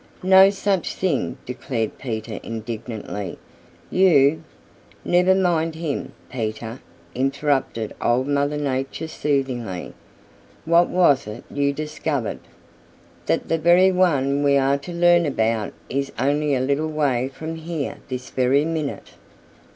"No such thing!" declared Peter indignantly. "You " "Never mind him, Peter," interrupted Old Mother Nature soothingly. "What was it you discovered?" "That the very one we are to learn about is only a little way from here this very minute.